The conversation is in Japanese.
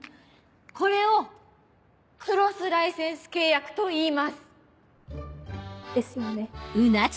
これをクロスライセンス契約といいます！ですよね？